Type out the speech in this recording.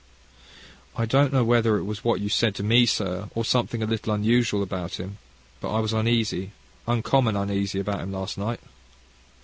"I don't know whether it was what you said to me, sir, or something a little unusual about him, but I was uneasy, uncommon uneasy about him last night.